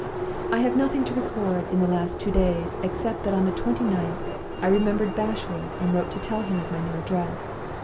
"I have nothing to record of the last two days, except that on the twenty ninth I remembered Bashwood, and wrote to tell him of my new address.